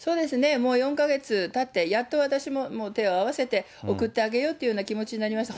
もう４か月たって、やっと私ももう手を合わせて、送ってあげようというような気持ちになりました。